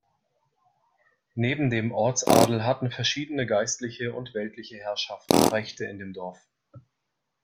Neben dem Ortsadel hatten verschiedene geistliche und weltliche Herrschaften Rechte in dem Dorf.